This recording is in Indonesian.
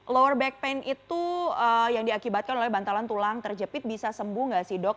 lower backpaint itu yang diakibatkan oleh bantalan tulang terjepit bisa sembuh nggak sih dok